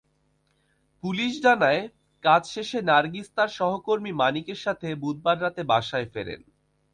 Police জানায়, কাজ শেষে নার্গিস তাঁর সহকর্মী মানিকের সঙ্গে বুধবার রাতে বাসায় ফেরেন।